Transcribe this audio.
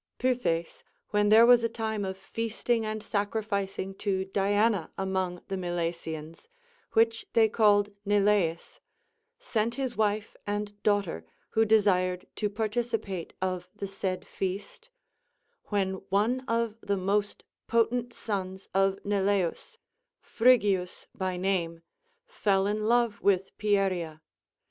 Pythes, when there was a time of feasting and sacrificing to Diana among the Milesians, which they called Neleis, sent his wife and daughter, who desired to partici pate of the said feast ; when one of the most potent sons of Neleus, Phrygius by name, fell in love with Pieria.